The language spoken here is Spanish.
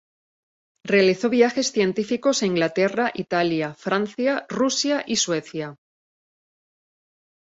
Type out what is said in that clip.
Realizó viajes científicos a Inglaterra, Italia, Francia, Rusia y Suecia.